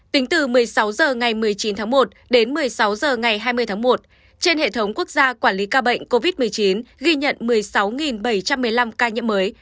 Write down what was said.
tính từ một mươi sáu h ngày một mươi chín tháng một đến một mươi sáu h ngày hai mươi tháng một trên hệ thống quốc gia quản lý ca bệnh covid một mươi chín ghi nhận một mươi sáu bảy trăm một mươi năm ca nhiễm mới